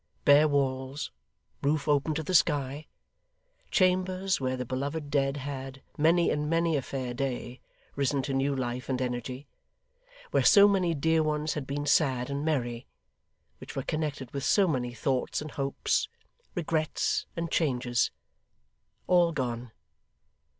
Bare walls, roof open to the sky chambers, where the beloved dead had, many and many a fair day, risen to new life and energy; where so many dear ones had been sad and merry; which were connected with so many thoughts and hopes, regrets and changes all gone.